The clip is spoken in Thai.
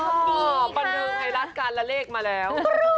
อันนึงไฮรัสการละเลกมาแล้ว